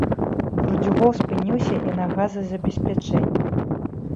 Бурдзюгоў спыніўся і на газазабеспячэнні.